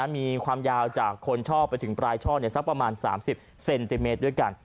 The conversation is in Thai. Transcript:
มีความยาวจากคนชอบไปถึงปลายช่อสักประมาณ๓๐เซนติเมตรด้วยกัน